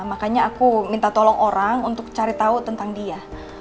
makanya aku minta tolong orang untuk cari tahu tentang dia